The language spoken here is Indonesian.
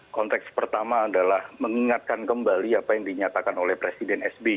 konteks pertama adalah mengingatkan kembali apa yang dinyatakan oleh presiden sbi